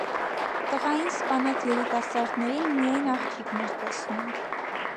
Տղային սպանած երիտասարդներին միայն աղջիկն էր տեսնում։